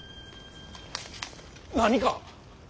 何か？